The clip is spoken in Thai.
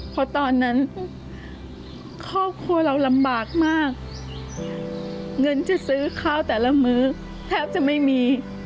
เพราะตอนนั้นครอบครัวเราลำบากมากเงินจะซื้อข้าวแต่ละมื้อแทบจะไม่มี